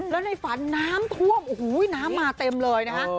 แล้วในฝันน้ำท่วมโอ้โหน้ำมาเต็มเลยนะฮะ